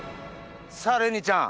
さぁれにちゃん。